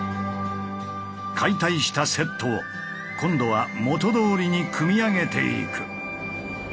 解体したセットを今度は元どおりに組み上げていく。